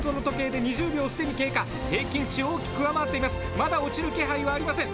まだ落ちる気配はありません。